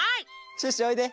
シュッシュおいで！